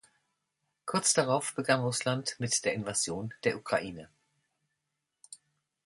Kurz darauf begann Russland mit der Invasion der Ukraine.